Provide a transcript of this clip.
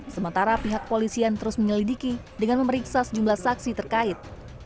sementara pihak polisian terus menyelidiki dengan memeriksa sejumlah saksi terkait